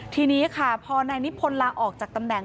ทีนี้ค่ะพอนายนิพนธ์ลาออกจากตำแหน่ง